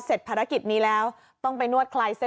เสร็จภารกิจนี้แล้วต้องไปนวดคลายเส้น